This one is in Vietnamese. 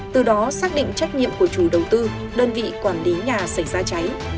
từ đó xác định trách nhiệm của chủ đầu tư đơn vị quản lý nhà xảy ra cháy